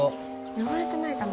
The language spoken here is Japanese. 汚れてないかな？